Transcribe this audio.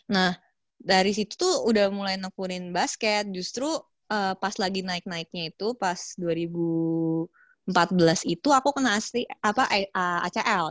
nah dari situ tuh udah mulai nekunin basket justru pas lagi naik naiknya itu pas dua ribu empat belas itu aku kena asli acl